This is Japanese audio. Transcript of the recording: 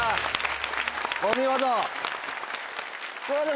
お見事！